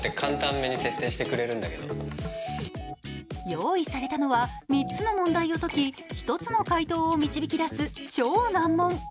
用意されたのは３つの問題を解き１つの解答を導き出す超難問。